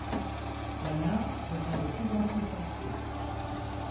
La nymphe devient de plus en plus foncée.